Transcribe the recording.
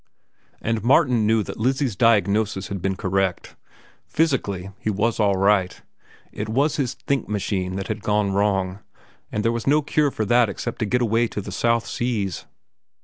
And Martin knew that Lizzie's diagnosis had been correct. Physically he was all right. It was his "think machine" that had gone wrong, and there was no cure for that except to get away to the South Seas.